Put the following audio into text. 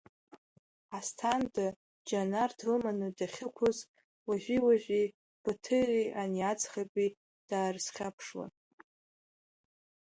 Асҭанда, Џьанар длыманы дахьықәыз, уажәи-уажәи Баҭыри ани аӡӷаби даарызхьаԥшуан.